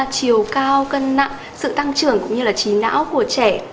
chiều cao cân nặng sự tăng trưởng cũng như là trí não của trẻ